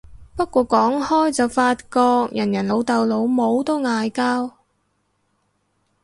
不過講開就發覺人人老豆老母都嗌交